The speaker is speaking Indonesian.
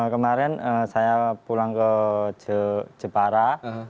kemarin saya pulang ke jepara